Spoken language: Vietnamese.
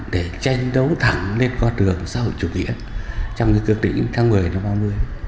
để tranh đấu thẳng lên con đường xã hội chủ nghĩa trong cái cước đỉnh tháng một mươi năm ba mươi